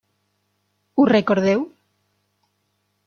Ho recordeu?